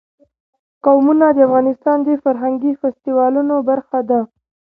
قومونه د افغانستان د فرهنګي فستیوالونو برخه ده.